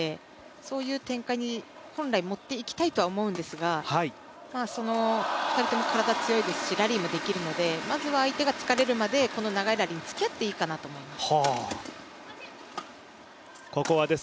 そういう展開に本来持って行きたいとは思うんですが２人とも体、強いですしラリーもできるのでまずは相手が疲れるまで長いラリーにつきあっていいかなと思います。